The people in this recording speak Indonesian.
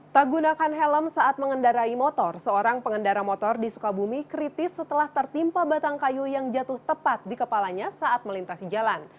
tak gunakan helm saat mengendarai motor seorang pengendara motor di sukabumi kritis setelah tertimpa batang kayu yang jatuh tepat di kepalanya saat melintasi jalan